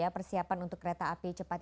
persiapan untuk kereta api cepat